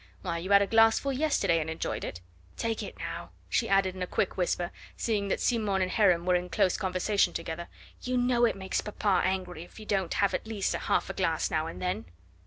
Why, you had a glassful yesterday and enjoyed it. Take it now," she added in a quick whisper, seeing that Simon and Heron were in close conversation together; "you know it makes papa angry if you don't have at least half a glass now and then."